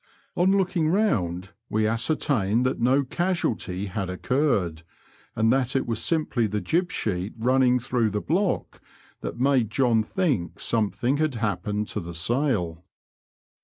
On looking round, we ascertained that no casualty had occurred, and that it was simply the jib sheet running through the block that made John think something had happened to the sail.